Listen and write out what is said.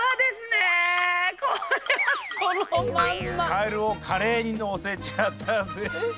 カエルをカレーに乗せちゃったぜ。